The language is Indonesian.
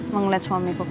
mau ngeliat suamiku